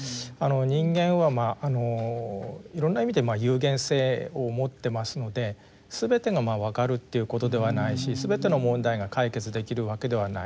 人間はいろんな意味で有限性を持ってますのですべてがわかるっていうことではないしすべての問題が解決できるわけではない。